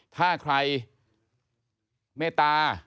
ถ้าใครเมตตา